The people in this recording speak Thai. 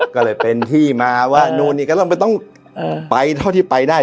ก็เลยเป็นที่มาว่านู้นอีกแล้วมันต้องไปเท่าที่ไปได้